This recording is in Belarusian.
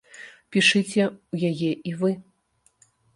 Пішыце ў яе і вы.